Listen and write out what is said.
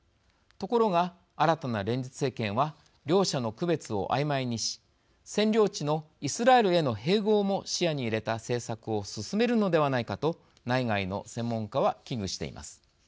ところが、新たな連立政権は両者の区別を、あいまいにし占領地のイスラエルへの併合も視野に入れた政策を進めるのではないかと内外の専門家は危惧しています。